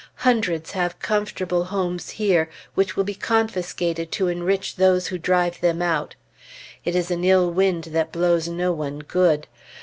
Hundreds have comfortable homes here, which will be confiscated to enrich those who drive them out. "It is an ill wind that blows no one good."